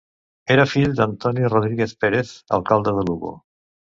Era fill d'Antonio Rodríguez Pérez, alcalde de Lugo.